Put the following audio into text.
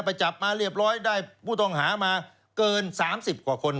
ไปจับมาเรียบร้อยได้ผู้ต้องหามาเกิน๓๐กว่าคน